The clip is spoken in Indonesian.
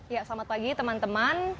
ya selamat pagi teman teman